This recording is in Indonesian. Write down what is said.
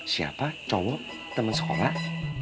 siapa cowok temen sekolah